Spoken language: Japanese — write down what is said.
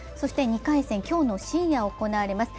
２回戦、今日の深夜行われます。